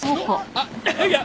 あっいやいや！